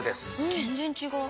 全然違う。